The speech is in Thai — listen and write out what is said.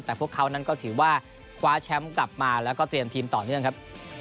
แต่พวกเขานั้นก็ถือว่าคว้าแชมป์กลับมาแล้วก็เตรียมทีมต่อเนื่องครับ